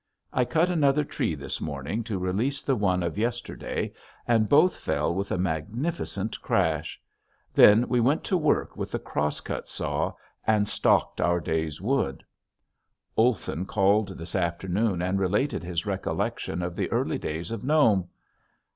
I cut another tree this morning to release the one of yesterday and both fell with a magnificent crash. Then we went to work with the cross cut saw and stocked our day's wood. Olson called this afternoon and related his recollection of the early days of Nome.